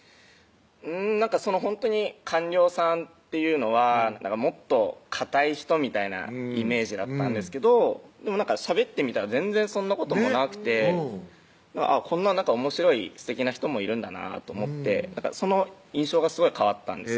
うんほんとに官僚さんっていうのはもっとかたい人みたいなイメージだったんですけどでもしゃべってみたら全然そんなこともなくてこんなおもしろいすてきな人もいるんだなと思ってその印象がすごい変わったんです